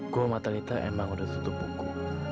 gua mata lita emang udah tutup buku